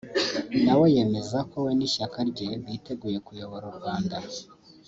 nawe yemeza ko we n’ishyaka rye biteguye kuyobora u Rwanda